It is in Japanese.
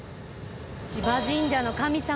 千葉神社の神様。